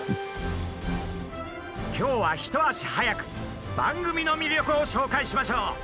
今日は一足早く番組の魅力を紹介しましょう！